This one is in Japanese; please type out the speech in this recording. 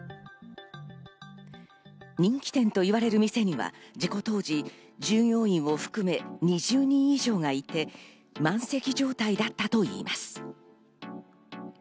人気店といわれる店には事故当時、従業員を含め２０人以上がいて、満席状態だったといいます。